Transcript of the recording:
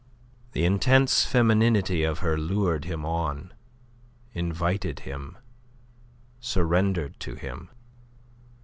The intense femininity of her lured him on, invited him, surrendered to him.